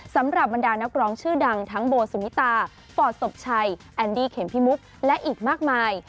สำหรับบรรดานักร้องชื่อดังทั้งโบสุนิตาฟอร์ดศพชัยแอนดี้เข็มพิมุกและอีกมากมาย